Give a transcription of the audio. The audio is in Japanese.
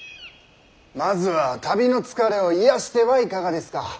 まずは旅の疲れを癒やしてはいかがですか。